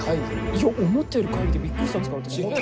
いや思ったより会議でびっくりしたんですから私。